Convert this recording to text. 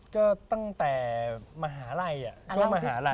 ก็ตั้งแต่มหาลัยช่วงมหาลัย